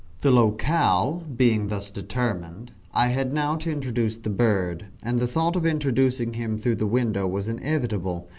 The locale being thus determined, I had now to introduce the bird and the thought of introducing him through the window was inevitable.